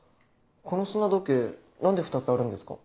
この砂時計何で２つあるんですか？